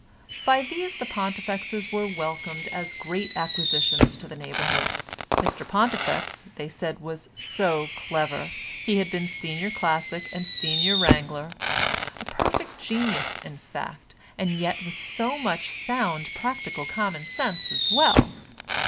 By these the Pontifexes were welcomed as great acquisitions to the neighbourhood. Mr Pontifex, they said was so clever; he had been senior classic and senior wrangler; a perfect genius in fact, and yet with so much sound practical common sense as well.